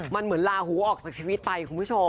มันเหมือนลาหูออกจากชีวิตไปคุณผู้ชม